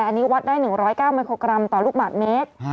อันนี้วัดได้๑๐๙มิโครกรัมต่อลูกบาทเมตร